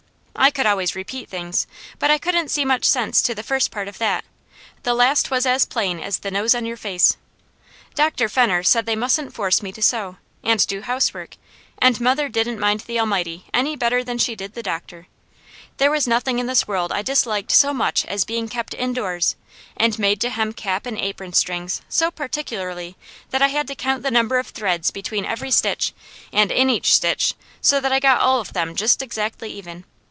I could always repeat things, but I couldn't see much sense to the first part of that; the last was as plain as the nose on your face. Dr. Fenner said they mustn't force me to sew, and do housework; and mother didn't mind the Almighty any better than she did the doctor. There was nothing in this world I disliked so much as being kept indoors, and made to hem cap and apron strings so particularly that I had to count the number of threads between every stitch, and in each stitch, so that I got all of them just exactly even.